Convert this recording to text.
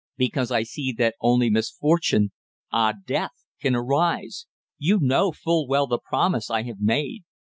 "Because I see that only misfortune ah! death can arise. You know full well the promise I have made.